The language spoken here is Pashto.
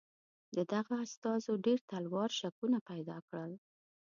د دغو استازو ډېر تلوار شکونه پیدا کړل.